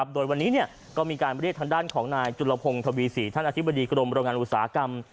โดยวันนี้ก็มีการเรียกทางด้านของนายจุลพงศ์ทวีศรีท่านอธิบดีกรมโรงงานอุตสาหกรรม